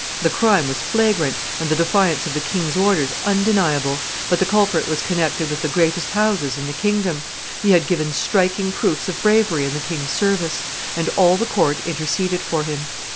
The crime was flagrant and the defiance of the kings orders undeniable; but the culprit was connected with the greatest houses in the kingdom; he had given striking proofs of bravery in the king's service; and all the court interceded for him.